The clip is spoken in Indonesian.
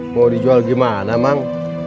mau dijual gimana mang